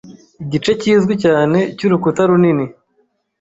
Igice kizwi cyane cy'urukuta runini